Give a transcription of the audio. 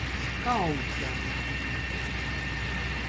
Kauna tev nav!